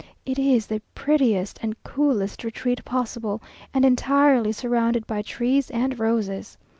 It is the prettiest and coolest retreat possible, and entirely surrounded by trees and roses.